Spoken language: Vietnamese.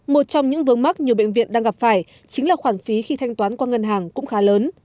một trong những vướng mắt nhiều bệnh viện đang gặp phải chính là khoản phí khi thanh toán qua ngân hàng cũng khá lớn